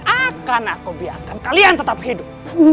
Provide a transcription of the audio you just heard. akan aku biarkan kalian tetap hidup